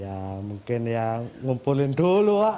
ya mungkin ya ngumpulin dulu pak